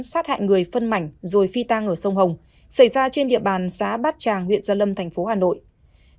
sát hại người phân mảnh rồi phi tang ở sông hồng xảy ra trên địa bàn xã bát tràng huyện gia lâm thành phố hà nội